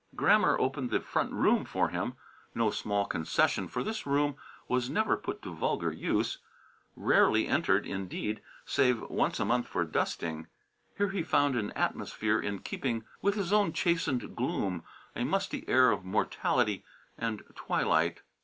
Grammer opened the "front room" for him, no small concession, for this room was never put to vulgar use; rarely entered, indeed, save once a month for dusting. Here he found an atmosphere in keeping with his own chastened gloom, a musty air of mortality and twilight.